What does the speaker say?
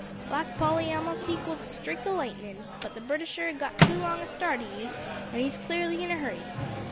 "Black Polly a'most equals a streak o' lightnin', but the Britisher got too long a start o' ye, an' he's clearly in a hurry.